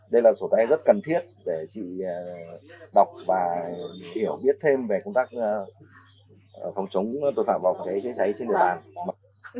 đây là sổ tay rất cần thiết để chị đọc và hiểu biết thêm về công tác phòng chống tội phạm phòng cháy chữa cháy trên địa bàn